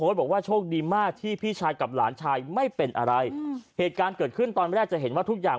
แต่มันเดชาบูรณ์อย่างหนึ่ง